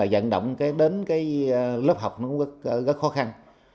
dẫn động đến lớp học rất khó khăn